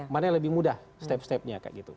mana yang lebih mudah step stepnya kayak gitu